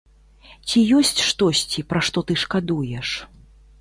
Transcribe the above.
Ці ёсць штосьці, пра што ты шкадуеш?